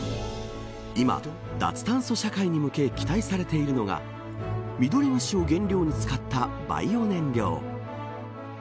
今、脱炭素社会に向け期待されているのがミドリムシを原料に使ったバイオ燃料。